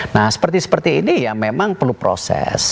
nah seperti ini memang perlu proses